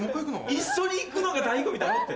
一緒に行くのが醍醐味だろって。